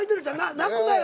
泣くなよ